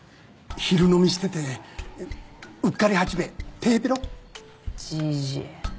昼飲みしててうっかり八兵衛テヘペロじじい